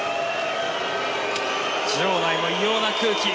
場内の異様な空気。